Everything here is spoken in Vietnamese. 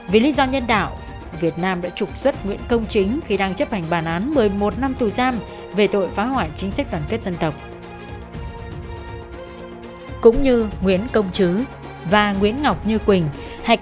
vì lý do nhân đạo việt nam đã trục xuất nguyễn công chính